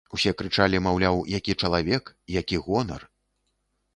Усе крычалі, маўляў, які чалавек, які гонар.